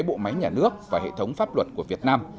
bộ máy nhà nước và hệ thống pháp luật của việt nam